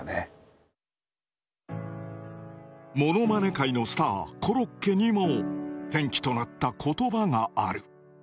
界のスターコロッケにも転機となった言葉がある。